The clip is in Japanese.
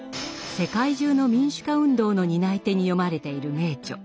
世界中の民主化運動の担い手に読まれている名著